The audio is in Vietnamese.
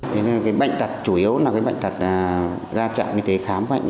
thế nên cái bệnh tật chủ yếu là cái bệnh tật ra trạm y tế khám bệnh